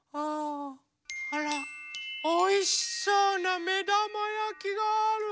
あらおいしそうなめだまやきがある。